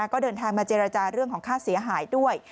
ก็เดินทางมาเจรจาเรื่องของค่าเสียหายด้วย